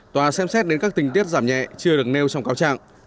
tòa xem xét đến các tình tiết giảm nhẹ chưa được nêu trong cáo trạng